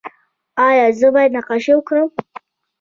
ایا زه باید نقاشي وکړم؟